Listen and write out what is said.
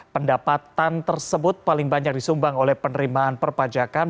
pendapatan tersebut paling banyak disumbang oleh penerimaan perpajakan